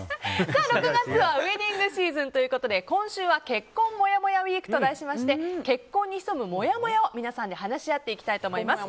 ６月はウェディングシーズンということで今週は結婚もやもやウィークと題しまして結婚に潜むもやもやを皆さんで話し合っていきたいと思います。